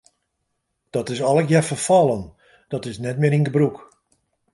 Dat is allegear ferfallen, dat is net mear yn gebrûk.